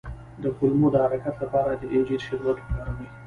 د کولمو د حرکت لپاره د انجیر شربت وکاروئ